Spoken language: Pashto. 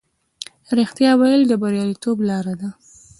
رښتیا ویل د بریالیتوب لاره ده.